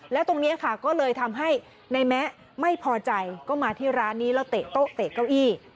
แล้วตรงนี้ค่ะก็เลยทำให้ในแม้ไม่พอใจก็มาที่ร้านนี้แล้วเตะโต๊ะเตะเก้าอี้